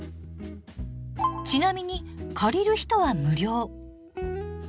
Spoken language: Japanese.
ちなみに借りる人は無料。